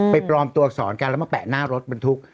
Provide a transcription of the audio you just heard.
ปลอมตัวอักษรกันแล้วมาแปะหน้ารถบรรทุก